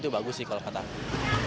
bagus sih kalau kata aku